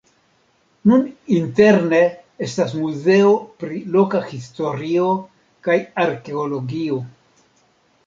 Nun interne estas muzeo pri loka historio kaj arkeologio.